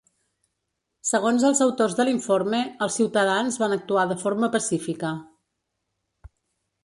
Segons els autors de l’informe, els ciutadans van actuar de forma pacífica.